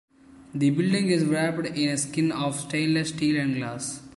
The building is wrapped in a skin of stainless steel and glass.